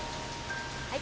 はい